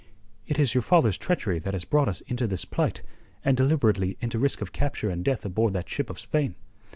"It is your father's treachery that has brought us into this plight and deliberately into risk of capture and death aboard that ship of Spain.